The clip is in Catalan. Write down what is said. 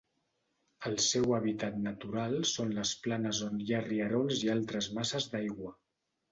El seu hàbitat natural són les planes on hi ha rierols i altres masses d'aigua.